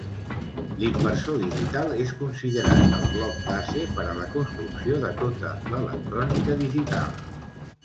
L'inversor digital és considerat el bloc base per a la construcció de tota l'electrònica digital.